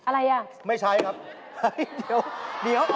อะไรฅ๊ะไม่ใช่ครับเดี๋ยว